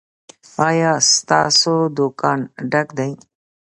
ایا ستاسو دکان ډک دی؟